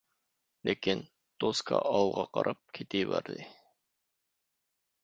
لېكىن، «دوسكا» ئالغا قاراپ كېتىۋەردى،